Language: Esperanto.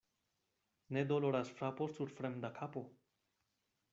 Ne doloras frapo sur fremda kapo.